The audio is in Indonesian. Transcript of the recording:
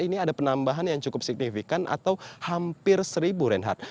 ini ada penambahan yang cukup signifikan atau hampir seribu reinhardt